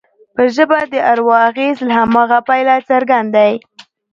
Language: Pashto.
پر ژبه د اروا اغېز له هماغه پیله څرګند دی